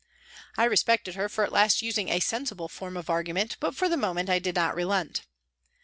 I respected her for at last using a sensible form of argument, but for the moment I did not relent.